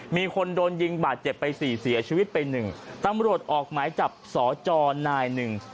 มีคนโดนยิงบาดเจ็บไปสี่เสียชีวิตไปหนึ่งตำรวจออกหมายจับสจนายหนึ่ง